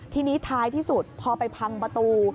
ทีนี้ท้ายที่สุดพอไปพังประตู